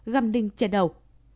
găm đinh trên đầu